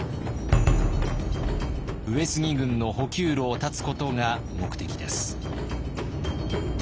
上杉軍の補給路を断つことが目的です。